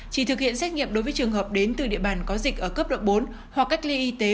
chỉ thực hiện xét nghiệm đối với trường hợp đến từ địa bàn có dịch ở cấp độ bốn hoặc cách ly y tế